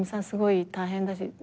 すごい大変だし。